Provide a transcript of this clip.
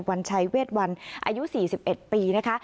วันชัยเวทวันอายุ๔๑ปีนะคะ